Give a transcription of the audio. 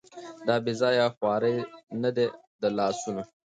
دا بېځايه خوارۍ نه دي د لاسونو